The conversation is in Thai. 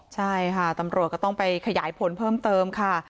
ใช่ค่ะตำรวจก็ต้องไปขยายผลเพิ่มเติมค่ะ